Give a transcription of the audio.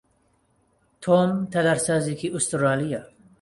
تۆم تەلارسازێکی ئوسترالییە.